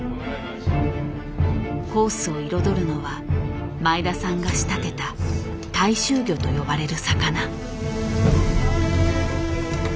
コースを彩るのは前田さんが仕立てた大衆魚と呼ばれる魚。